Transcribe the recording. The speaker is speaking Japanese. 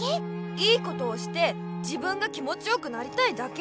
良いことをして自分が気もちよくなりたいだけ。